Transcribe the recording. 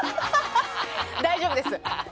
大丈夫です。